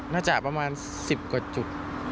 น่าจะประมาณ๑๐กว่าจุด